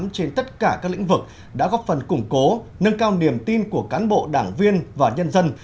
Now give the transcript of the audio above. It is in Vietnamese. trên tất cả các lĩnh vực đã góp phần củng cố nâng cao niềm tin của cán bộ đảng viên và nhân dân